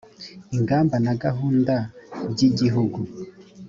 ingamba na gahunda by’igihugu